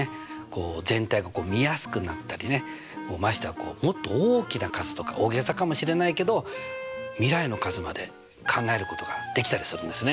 全体が見やすくなったりねましてやもっと大きな数とか大げさかもしれないけど未来の数まで考えることができたりするんですね。